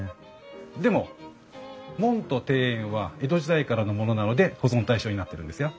でも門と庭園は江戸時代からのものなので保存対象になってるんですよ。